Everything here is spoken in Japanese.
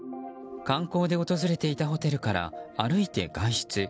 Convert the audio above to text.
観光で訪れていたホテルから歩いて外出。